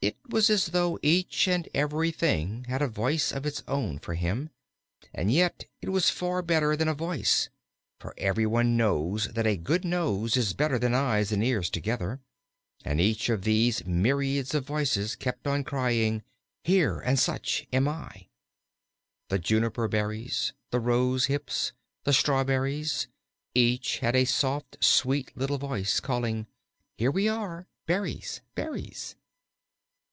It was as though each and every thing had a voice of its own for him; and yet it was far better than a voice, for every one knows that a good nose is better than eyes and ears together. And each of these myriads of voices kept on crying, "Here and such am I." The juniper berries, the rosehips, the strawberries, each had a soft, sweet little voice, calling, "Here we are Berries, Berries."